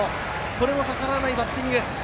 これも逆らわないバッティング。